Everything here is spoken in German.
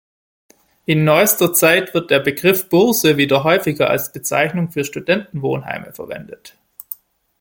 In neuester Zeit wird der Begriff „Burse“ wieder häufiger als Bezeichnung für Studentenwohnheime verwendet.